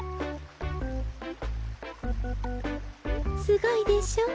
すごいでしょ。